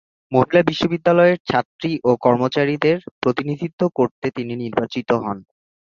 মহিলা বিশ্ববিদ্যালয়ের ছাত্রী ও কর্মচারীদের প্রতিনিধিত্ব করতে তিনি নির্বাচিত হন।